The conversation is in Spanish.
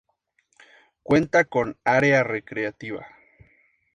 Cuenta con área recreativa.